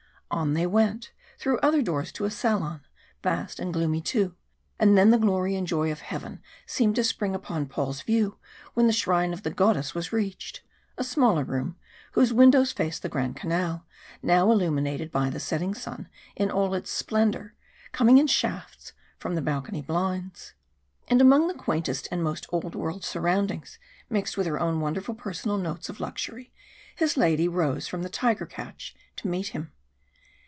On they went, through other doors to a salon, vast and gloomy too, and then the glory and joy of heaven seemed to spring upon Paul's view when the shrine of the goddess was reached a smaller room, whose windows faced the Grand Canal, now illuminated by the setting sun in all its splendour, coming in shafts from the balcony blinds. And among the quaintest and most old world surroundings, mixed with her own wonderful personal notes of luxury, his lady rose from the tiger couch to meet him.